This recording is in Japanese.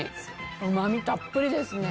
うまみたっぷりですね。